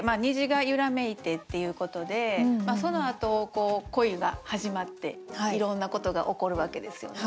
虹が揺らめいてっていうことでそのあとこう恋が始まっていろんなことが起こるわけですよね。